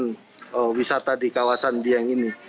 dan juga menjaga keuntungan wisata di kawasan dieng ini